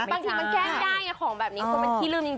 เมื่อกี้มันแก้ได้น่ะของแบบนี้ก็คือมันที่ลืมจริง